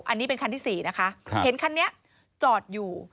อันนี้เป็นคันที่๔นะคะเห็นคันนี้จอดอยู่